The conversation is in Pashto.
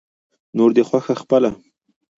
نوره دې خوښه خپله.